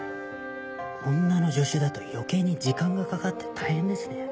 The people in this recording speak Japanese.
女の助手だと余計に時間がかかって大変ですね。